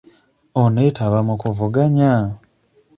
Oneetaba mu kuvuganya?